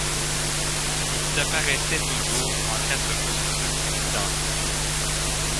Ils apparaissaient toujours en quatre costumes identiques.